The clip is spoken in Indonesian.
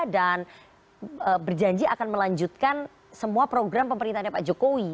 dan berjanji akan melanjutkan semua program pemerintahnya pak jokowi